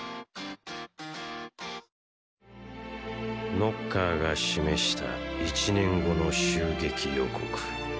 ノッカーが示した１年後の襲撃予告。